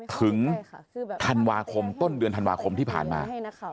ถึงธันวาคมต้นเดือนธันวาคมที่ผ่านมา